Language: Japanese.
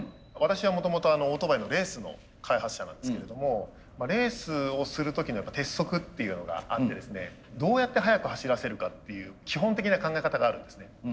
私はもともとオートバイのレースの開発者なんですけれどもレースをする時の鉄則っていうのがあってですねどうやって速く走らせるかっていう基本的な考え方があるんですね。